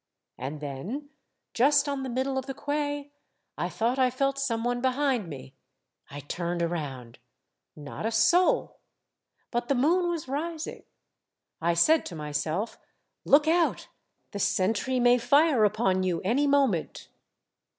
And then, just on the mid dle of the quay, I thought I felt some one behind me. I turned around. Not a soul ! But the moon was rising. I said to myself, * Look out ! the sentry may fire upon you any moment.'